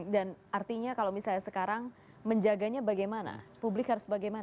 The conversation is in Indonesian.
dan artinya kalau misalnya sekarang menjaganya bagaimana publik harus bagaimana